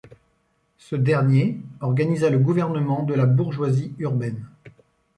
Ce dernier organisa le gouvernement de la bourgeoisie urbaine.